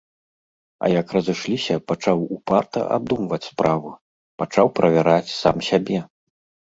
А як разышліся, пачаў упарта абдумваць справу, пачаў правяраць сам сябе.